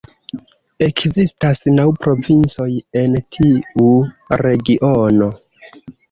Ekzistas naŭ provincoj en tiu regiono.